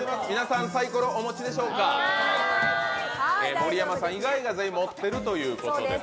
盛山さん以外が全員持っているということです。